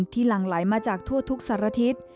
หลั่งไหลมาจากทั่วทุกสารทิศ